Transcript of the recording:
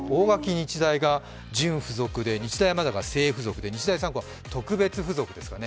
日大が準付属で日大山形が正付属で日大三高は特別付属ですかね。